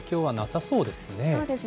そうですね。